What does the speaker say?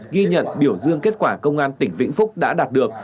ghi nhận biểu dương kết quả công an tỉnh vĩnh phúc đã đạt được